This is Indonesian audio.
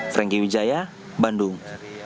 franky widjaya bandung